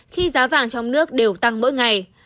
khi giá vàng trong nước đều tăng mỗi ngày